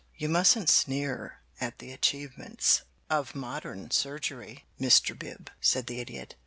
"You mustn't sneer at the achievements of modern surgery, Mr. Bib," said the Idiot.